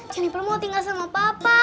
jennifer mau tinggal sama papa